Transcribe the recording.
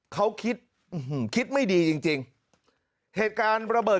เค้าคิดไม่ดี